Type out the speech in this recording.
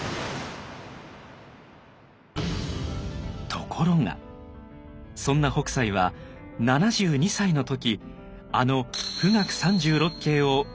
ところがそんな北斎は７２歳の時あの「冨嶽三十六景」を生み出します。